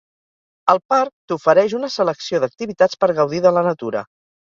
El parc t'ofereix una selecció d'activitats per gaudir de la natura.